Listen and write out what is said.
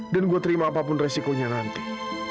dan gua terima apapun resikonya nanti